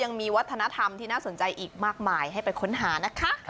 ยังมีวัฒนธรรมที่น่าสนใจอีกมากมายให้ไปค้นหานะคะ